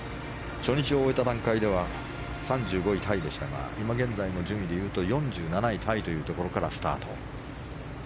初日を終えた段階では３５位タイでしたが今現在の順位でいうと４７位タイというところからスタート。